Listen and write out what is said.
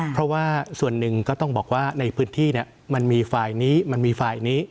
เพราะว่าส่วนหนึ่งก็ต้องบอกว่าในพื้นที่มันมีฝ่ายนี้มันมีฝ่ายนี้